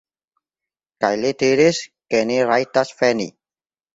kaj ili diris, ke ni rajtas veni